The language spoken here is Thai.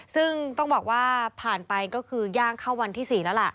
ซึ่งต้องบอกว่าผ่านไปก็คือย่างเข้าวันที่๔แล้วล่ะ